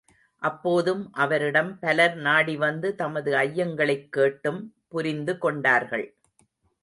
அப்போதும், அவரிடம் பலர் நாடிவந்து தமது ஐயங்களைக்கேட்டும் புரிந்து கொண்டார்கள்.